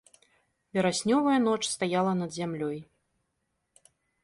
Вераснёвая ноч стаяла над зямлёй.